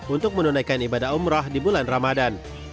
untuk menunaikan ibadah umroh di bulan ramadan